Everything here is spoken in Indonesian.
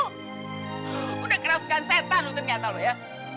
udah keraskan setan untuk nyatamu ya